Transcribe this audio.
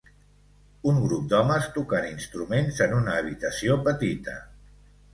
Un grup d'homes tocant instruments en una habitació petita.